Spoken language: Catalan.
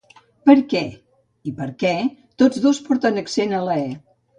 Per què i perquè tots dos porten accent a la è.